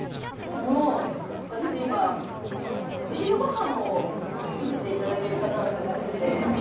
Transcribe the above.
あの私今お昼ご飯を見せていただける方を探してて。